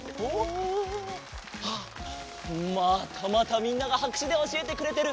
あっまたまたみんながはくしゅでおしえてくれてる。